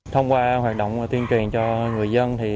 thông qua hoạt động tuyên truyền cho người dân